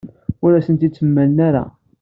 Ur asent-tent-id-mlan ara.